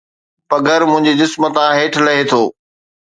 پگهر منهنجي جسم تان هيٺ لهي ٿو